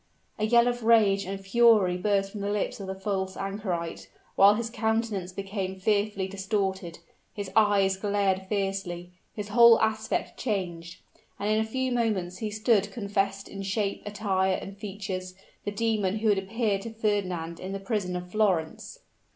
A yell of rage and fury burst from the lips of the false anchorite, while his countenance became fearfully distorted his eyes glared fiercely his whole aspect changed and in a few moments he stood confessed in shape, attire and features, the demon who had appeared to Fernand in the prison of Florence!